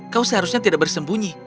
kau seharusnya tidak bersembunyi